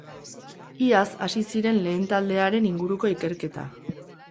Iaz hasi ziren lehen taldearen inguruko ikerketa.